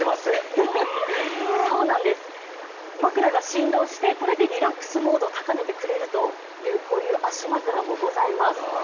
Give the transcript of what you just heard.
枕が振動してこれでリラックスモードを高めてくれるという足枕もあります。